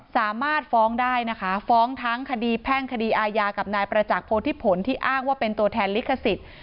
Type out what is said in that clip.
สามารถฟ้องได้นะคะฟ้องทั้งคดีแพ่งคดีอาญากับนายประจักษ์โพธิผลที่อ้างว่าเป็นตัวแทนลิขสิทธิ์